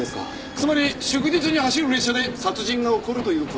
つまり祝日に走る列車で殺人が起こるという事です。